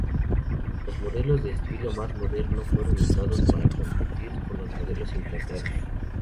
Los modelos de estilo más moderno fueron usados para competir con los modelos importados.